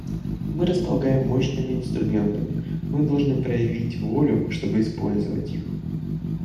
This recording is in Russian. Мы располагаем мощными инструментами; мы должны проявить волю, чтобы использовать их.